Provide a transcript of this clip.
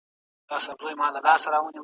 تاسي په پښتو کي د څېړني او مطالعې ذوق لرئ؟